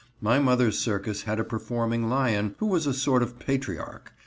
My mother's circus had a performing lion who was a sort of patriarch.